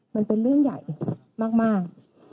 มันเป็นเรื่องใหญ่มาก